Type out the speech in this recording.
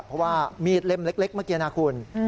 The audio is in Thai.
เพราะว่ามีดเล่มเล็กเมื่อกี้นะคุณ